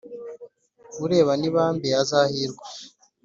urebana ibambe azahirwa